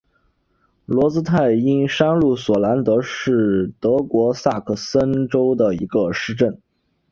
罗茨泰因山麓索兰德是德国萨克森州的一个市镇。